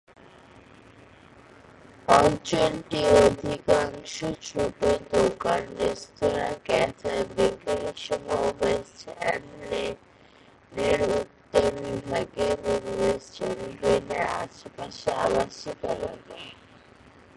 অঞ্চলটি অধিকাংশ ছোট দোকান, রেস্তোঁরা, ক্যাফে, বেকারি সহ ওয়েস্ট এন্ড লেনের উত্তর বিভাগে এবং ওয়েস্ট এন্ড গ্রিনের আশেপাশে আবাসিক এলাকা।